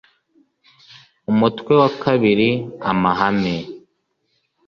umutwe wa kabiri amahame